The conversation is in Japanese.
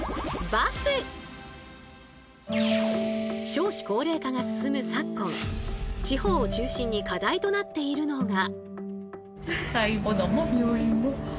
少子高齢化が進む昨今地方を中心に課題となっているのが。